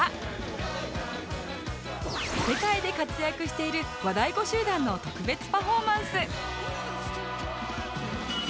世界で活躍している和太鼓集団の特別パフォーマンス